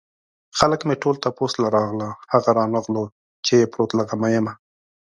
خلک مې ټول تپوس له راغله هغه رانغلو چې يې پروت له غمه يمه